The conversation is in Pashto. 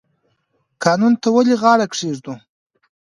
قانون ته ولې غاړه کیږدو؟